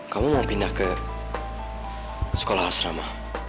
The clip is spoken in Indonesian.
kamu mau pindah ke sekolah asrama